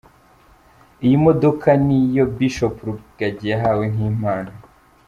Iyi modoka ni yo Bishop Rugagi yahawe nk’impano